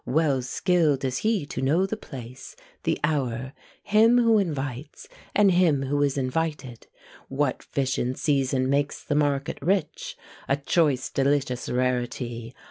Well skill'd is he to know the place, the hour, Him who invites, and him who is invited, What fish in season makes the market rich, A choice delicious rarity!